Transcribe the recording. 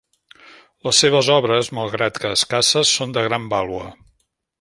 Les seves obres malgrat que escasses, són de gran vàlua.